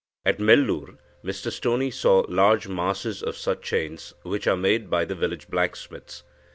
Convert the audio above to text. At Melur Mr Stoney saw large masses of such chains, which are made by the village blacksmiths.